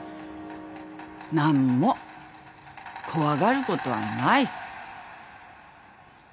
何も怖がることはない。